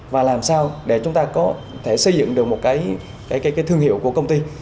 và làm sao để chúng ta có thể xây dựng được một cái thương hiệu của công ty